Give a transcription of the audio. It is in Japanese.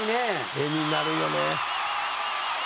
「絵になるよね」